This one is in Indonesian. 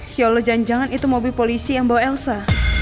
kalau jangan jangan itu mobil polisi yang bawa elsa